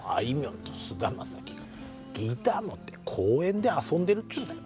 んと菅田将暉がギター持って公園で遊んでるっつうんだよ。